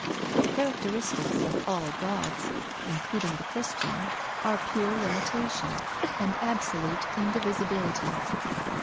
The characteristics of all Gods, including the Christian, are pure limitation and absolute indivisibility.